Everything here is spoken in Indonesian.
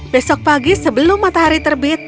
besok pagi sebelum matahari terbit